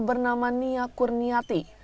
bernama nia kurniati